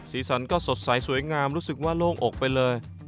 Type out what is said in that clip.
สีสันก็สดใสสวยงามรู้สึกว่าโล่งอกไปเลย